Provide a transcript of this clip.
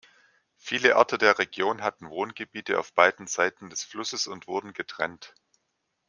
Viele Orte der Region hatten Wohngebiete auf beiden Seiten des Flusses und wurden getrennt.